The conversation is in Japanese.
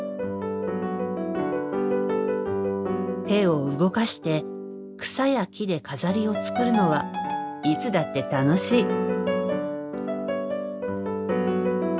手を動かして草や木で飾りを作るのはいつだって楽しい。